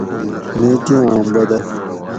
نیکی آں بدٞل